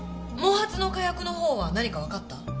毛髪の火薬の方は何かわかった？